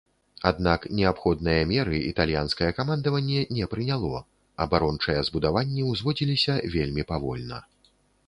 Аднак неабходныя меры італьянскае камандаванне не прыняло, абарончыя збудаванні ўзводзіліся вельмі павольна.